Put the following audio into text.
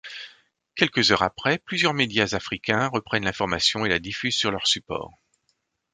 Quelques heures après, plusieurs médias africains reprennent l'information et la diffusent sur leur support.